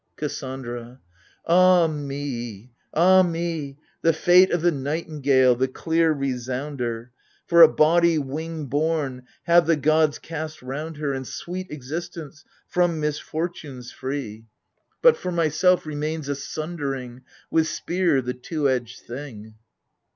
. KASSANDRA. Ah me, ah me, The fate o' the nightingale, the clear resounder ! For a body wing borne have the gods cast round her, And sweet existence, from misfortunes free : 96 AGAMEMNOJSr. But for myself remains a sundering With spear, the two edged thing